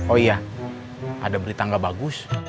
oh iya ada berita nggak bagus